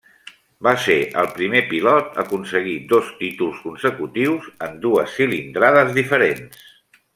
Va ser el primer pilot a aconseguir dos títols consecutius en dues cilindrades diferents.